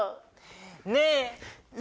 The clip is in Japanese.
ねえ。